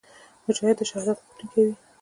مجاهد د شهادت غوښتونکی وي.